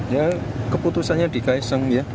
ya keputusannya di kaisang ya